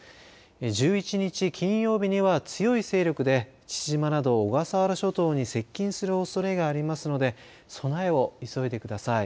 １１日金曜日には強い勢力で父島など小笠原諸島に接近するおそれがありますので備えを急いでください。